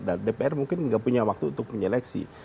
jadi mungkin tidak punya waktu untuk menyeleksi